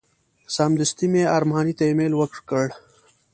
سمدستي مې ارماني ته ایمیل ورکړ.